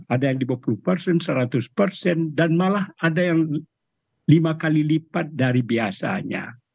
ada yang di dua puluh persen seratus persen dan malah ada yang lima kali lipat dari biasanya